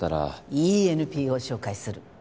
いいＮＰＯ紹介する。